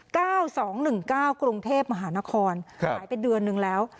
เก้าสองหนึ่งเก้ากรุงเทพมหานครหายไปเดือนนึงแล้ว